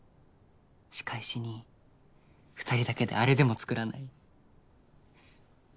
仕返しに２人だけであれでも作らない？